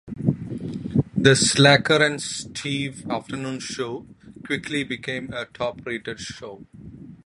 The "Slacker and Steve Afternoon Show" quickly became a top-rated show.